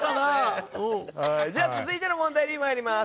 続いての問題に参ります。